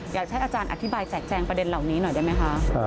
อยากให้อาจารย์อธิบายแจกแจงประเด็นเหล่านี้หน่อยได้ไหมคะ